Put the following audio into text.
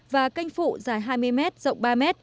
và canh phụ dài hai mươi m rộng ba m